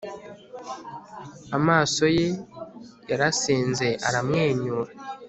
Amaso ye yarasenze aramwenyura